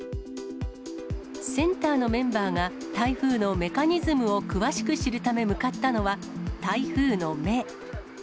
センターのメンバーが、台風のメカニズムを詳しく知るため向かったのは、台風の目。